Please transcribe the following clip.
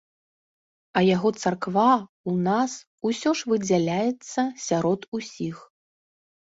А яго царква ў нас усё ж выдзяляецца сярод усіх.